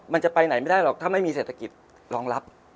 มันจะไปไหนไม่ได้หรอกถ้าไม่มีเศรษฐกิจรองรับ